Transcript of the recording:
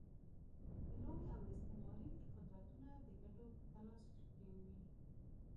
د لوی او استعماري قدرتونه د ګټو په تلاښ کې وي.